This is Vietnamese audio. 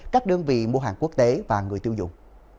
các đơn vị mua hàng quốc tế và người tiêu dùng